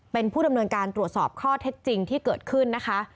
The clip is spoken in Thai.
เป็นผู้ดำเนินการตรวจสอบข้อเท็จจริงที่เกิดขึ้นนะคะ